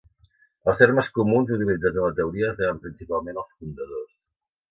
Els termes comuns utilitzats en la teoria es deuen principalment als fundadors.